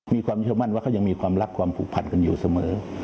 มีความเชื่อมั่นว่าเขายังมีความรักความผูกพันกันอยู่เสมอ